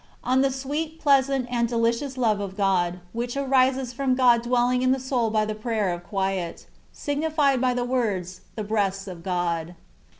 ON THE SWEET, PLEASANT, AND DELICIOUS LOVE OP GOD, WHICH ABISES FROM GOD DWELLING IN THE SOUL BT THE PBAYEB OP QUIET, SIGNIFIED BY THE WOBDS, " THE BREASTS OP GOD."